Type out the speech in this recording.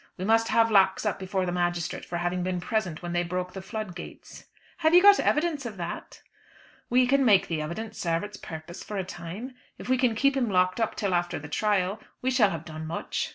We must have Lax up before the magistrate for having been present when they broke the flood gates." "Have you got evidence of that?" "We can make the evidence serve its purpose for a time. If we can keep him locked up till after the trial we shall have done much.